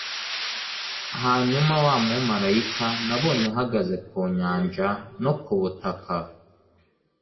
hanyuma wa mumarayika nabonye ahagaze ku nyanja no ku butaka